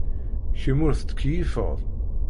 Kemm ur tettkeyyifeḍ.